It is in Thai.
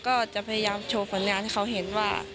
ก็จะพยายามโชว์ผลงานให้เขาเห็นว่า